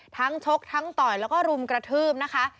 ชกทั้งต่อยแล้วก็รุมกระทืบนะคะ